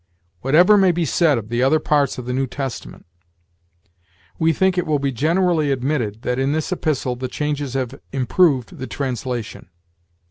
Whatever may be said of the other parts of the New Testament, we think it will be generally admitted that in this Epistle the changes have improved the translation.